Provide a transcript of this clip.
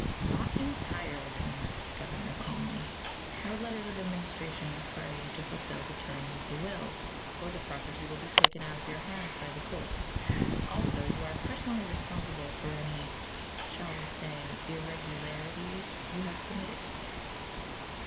"Not entirely," remarked the governor, calmly. "Your letters of administration require you to fulfill the terms of the will or the property will be taken out of your hands by the court. Also you are personally responsible for any shall we say 'irregularities'? you have committed."